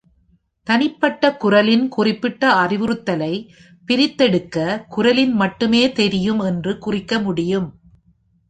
தனிப்பட்ட குரல்களின் குறிப்பிட்ட அறிவுறுத்தலை "பிரித்தெடுக்கப்பட்ட குரலில் மட்டுமே தெரியும்" என்று குறிக்க முடியும்.